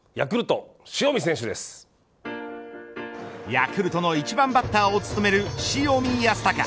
ヤクルトの１番バッターを務める塩見泰隆。